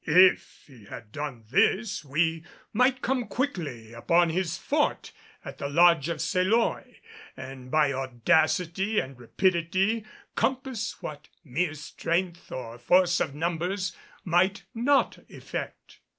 If he had done this we might come quickly upon his fort at the lodge of Seloy, and by audacity and rapidity compass what mere strength or force of numbers might not effect.